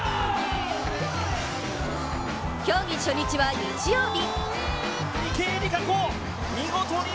競技初日は、日曜日。